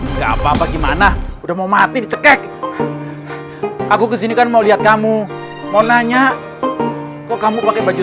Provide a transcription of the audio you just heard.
enggak apa apa gimana udah mau mati dicekek aku kesini kan mau lihat kamu mau nanya kok kamu pakai baju